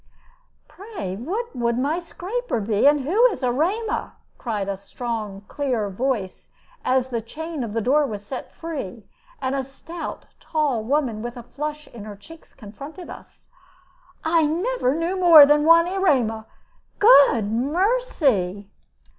"Pray what would my scraper be? and who is Erema?" cried a strong, clear voice, as the chain of the door was set free, and a stout, tall woman with a flush in her cheeks confronted us. "I never knew more than one Erema Good mercy!"